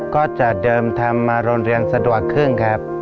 ก็จะเดิมทำมาโรงเรียนสะดวกครึ่งครับ